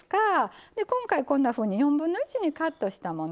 今回こんなふうに４分の１にカットしたもの